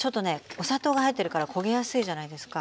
お砂糖が入ってるから焦げやすいじゃないですか。